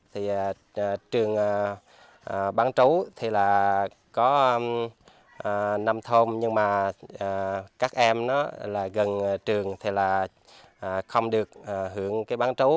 trường bán chú có năm thôn nhưng các em gần trường không được hưởng bán chú